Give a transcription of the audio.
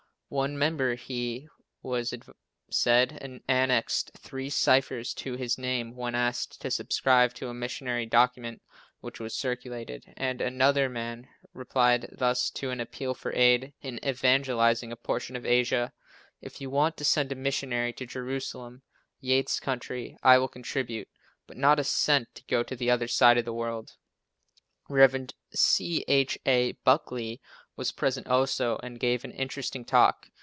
One member, he said, annexed three ciphers to his name when asked to subscribe to a missionary document which was circulated, and another man replied thus to an appeal for aid in evangelizing a portion of Asia: "If you want to send a missionary to Jerusalem, Yates county, I will contribute, but not a cent to go to the other side of the world." Rev. C. H. A. Buckley was present also and gave an interesting talk.